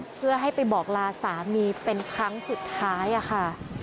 เพื่อให้ไปบอกลาสามีเป็นครั้งสุดท้ายค่ะ